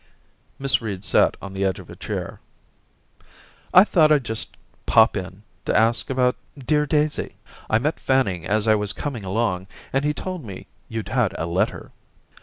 Miss Reed sat on the edge of a chair. * I thought I'd just pop in to ask about dear Daisy. I met Fanning as I was coming along and he told me you'd had a letter.'